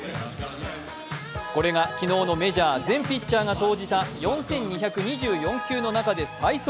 これが昨日メジャーの全ピッチャーが投じた４２２４球の中で最速。